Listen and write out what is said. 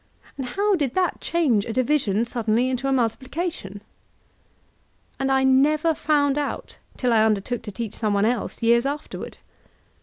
and how did that change a division suddenly into a multiplication?" — ^And I never found out till I undertook to teach some one else, years afterward.